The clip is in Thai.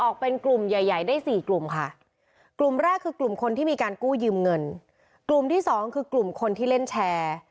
กลุ่มที่สองคือกลุ่มคนที่เล่นแชร์